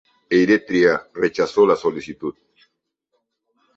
Eritrea rechazó la solicitud.